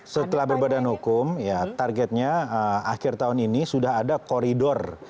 setelah berbadan hukum ya targetnya akhir tahun ini sudah ada koridor